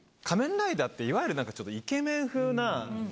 仮面ライダーっていわゆるなんかちょっとイケメン風な。